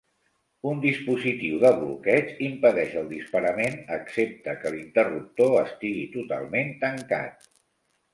Un dispositiu de bloqueig impedeix el disparament excepte que l'interruptor estigui totalment tancat.